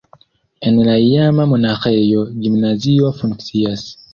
En la iama monaĥejo gimnazio funkcias.